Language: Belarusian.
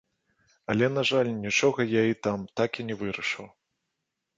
Але, на жаль, нічога я і там так і не вырашыў.